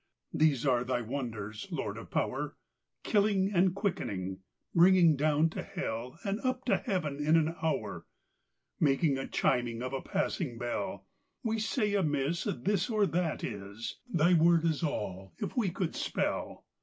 These are thy wonders, Lord of power, Killing and quickning, bringing down to hellAnd up to heaven in an houre; Making a chiming of a passing bell. We say amisseThis or that is:Thy word is all, if we could spell.